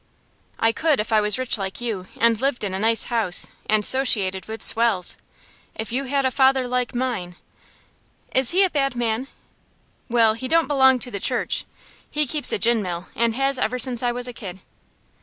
"I could if I was rich like you, and lived in a nice house, and 'sociated with swells. If you had a father like mine " "Is he a bad man?" "Well, he don't belong to the church. He keeps a gin mill, and has ever since I was a kid."